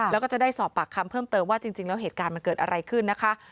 แล้วก็จะได้สอบปากคำเพิ่มเติมว่าจริงแล้วเหตุการณ์มันเกิดอะไรขึ้นนะคะ